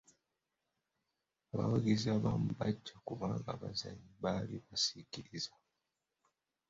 Abawagizi abamu bajja kubanga abazanyi baali basikiriza.